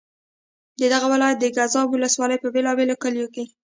د دغه ولایت د ګیزاب ولسوالۍ په بېلا بېلو کلیو کې.